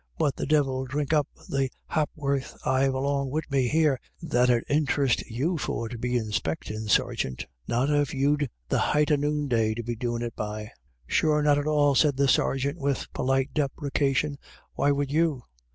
But the divil dhrink up the hap'orth I've along wid me here that 'ud inthrist you for to be inspictin', sergeant ; not if you'd the height of noonday to be doin' it by." " Sure not at all," said the sergeant with polite deprecation, "why would you?